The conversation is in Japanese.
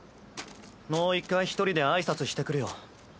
もう一回１人で挨拶してくるよ。